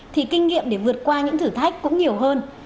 thì kinh nghiệm để vượt qua những thử thách cũng nhiều hơn